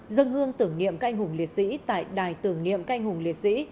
dân hương tưởng niệm các anh hùng liệt sĩ tại đài tưởng niệm các anh hùng liệt sĩ